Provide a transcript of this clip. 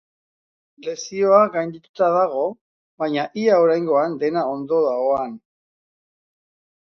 Lesioa gaindituta dago, baina ea oraingoan dena ondo doan.